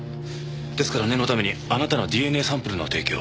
ですから念のためにあなたのＤＮＡサンプルの提供を。